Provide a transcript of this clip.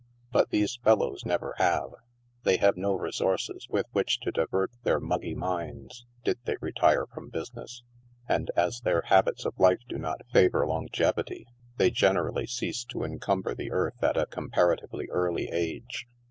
But these fellows never have. They have no resources with which to divert their muggy minds did they retire from business ; and, as their habits of life do not favor longevity, they generally cease to encumber the earth at a compa ratively early age.